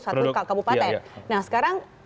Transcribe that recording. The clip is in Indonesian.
satu kabupaten nah sekarang